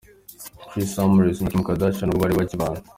Kris Humphries na Kim Kardashian ubwo bari bakibana.